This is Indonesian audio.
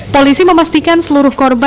polisi memastikan seluruh korban